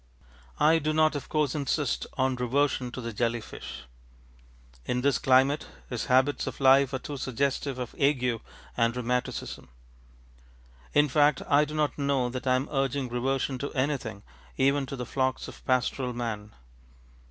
I do not of course insist on reversion to the jelly fish. In this climate his habits of life are too suggestive of ague and rheumatism. In fact I do not know that I am urging reversion to anything, even to the flocks of pastoral man.